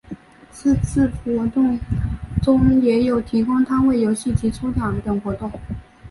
是次活动中也有提供摊位游戏及抽奖等活动。